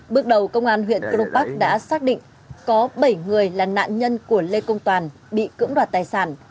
bước đầu công an huyện cron park đã xác định có bảy người là nạn nhân của lê công toàn bị cưỡng đoạt tài sản